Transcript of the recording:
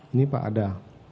ini pak ada